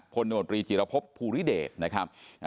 โนตรีจิรพบภูริเดชนะครับ